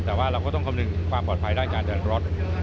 แต่ว่าเราก็ต้องคำนึงความปลอดภัยด้านการเดินรถ